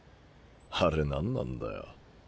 あれ何なんだよ？